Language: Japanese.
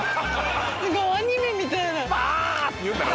アニメみたいな。